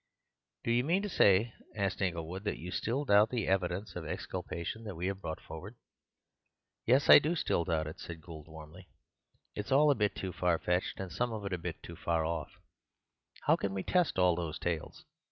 "Do you mean to say," asked Inglewood, "that you still doubt the evidence of exculpation we have brought forward?" "Yes, I do still doubt it," said Gould warmly. "It's all a bit too far fetched, and some of it a bit too far off. 'Ow can we test all those tales?